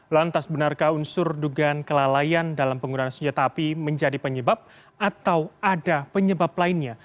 lantas benarkah unsur dugaan kelalaian dalam penggunaan senjata api menjadi penyebab atau ada penyebab lainnya